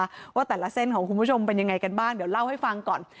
ว่าแต่ละเส้นของคุณผู้ชมเป็นยังไงกันบ้างเดี๋ยวเล่าให้ฟังก่อน